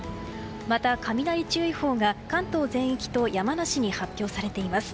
また、雷注意報が関東全域と山梨に発表されています。